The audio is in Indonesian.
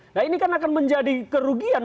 nah ini kan akan menjadi kerugian